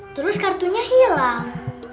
terus kartunya hilang